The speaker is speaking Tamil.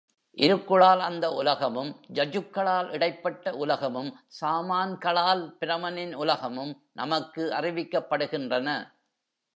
இருக்குளால் அந்த உலகமும், யஜுக்களால் இடைப்பட்ட உலகமும், சாமன்களால் பிரமனின் உலகமும் நமக்கு அறிவிக்கப்படுகின்றன.